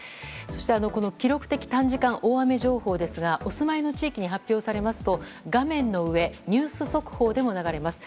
記録的短時間大雨情報ですがお住まいの地域に発表されますと画面の上、ニュース速報でも流れます。